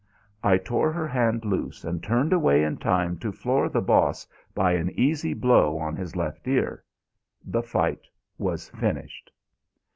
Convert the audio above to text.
I tore her hand loose and turned away in time to floor the Boss by an easy blow on his left ear. The fight was finished.